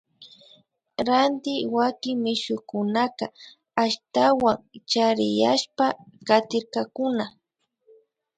Ranti wakin mishukunaka ashtawan chariyashpa katirkakuna